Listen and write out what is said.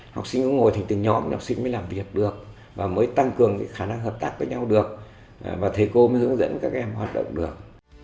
học sinh có ngồi thì từng nhóm học sinh mới làm việc được và mới tăng cường khả năng hợp tác với nhau được và thầy cô mới hướng dẫn các em hoạt động được